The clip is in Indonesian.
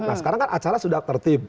nah sekarang kan acara sudah tertib